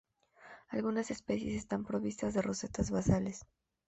Algunas especies están provistas de rosetas basales.